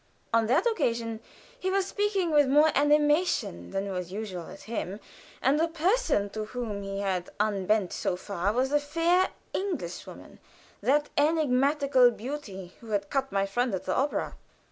On that occasion he was speaking with more animation than was usual with him, and the person to whom he had unbent so far was the fair English woman that enigmatical beauty who had cut my friend at the opera.